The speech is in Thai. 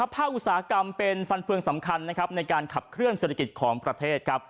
อุตสาหกรรมเป็นฟันเฟืองสำคัญในการขับเคลื่อเศรษฐกิจของประเทศ